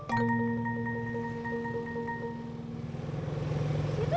kagak lagi bikin kue kering babbe mau mesen kue